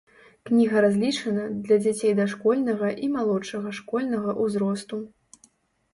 Кніга разлічана для дзяцей дашкольнага і малодшага школьнага ўзросту.